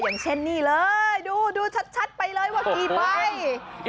อย่างเช่นนี่เลยดูชัดไปเลยว่ากี่ใบ